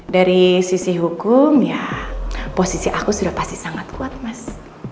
dari sisi hukum ya posisi aku sudah pasti sangat kuat mas